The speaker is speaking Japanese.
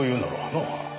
なあ。